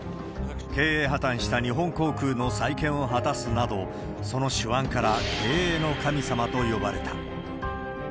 経営破綻した日本航空の再建を果たすなど、その手腕から経営の神様と呼ばれた。